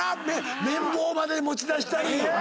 綿棒まで持ち出したり。